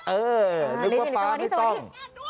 เออนึกว่าป๊าไม่ต้อง